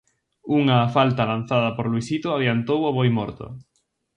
Unha falta lanzada por Luisito adiantou ó Boimorto.